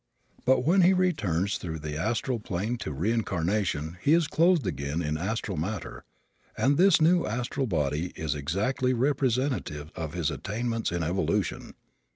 But when he returns through the astral plane to reincarnation he is clothed again in astral matter and this new astral body is exactly representative of his attainments in evolution.